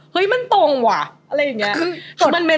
เฮ้ยมันตรงว่ะอะไรอย่างนี้